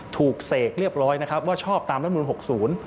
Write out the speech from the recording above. ถูกเสกเรียบร้อยนะครับว่าชอบตามรัฐธรรมรุน๖๐